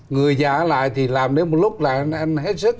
người già lại thì làm đến một lúc là anh hết sức